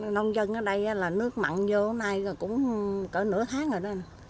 nông dân ở đây là nước mặn vô hôm nay cũng cỡ nửa tháng rồi đó